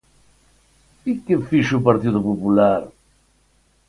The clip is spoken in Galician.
¿E que fixo o Partido Popular?